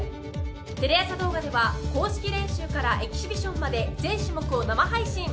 テレ朝動画では公式練習からエキシビションまで全種目を生配信。